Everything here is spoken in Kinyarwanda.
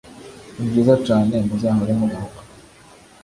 Nibyiza Cane muzahore mugaruka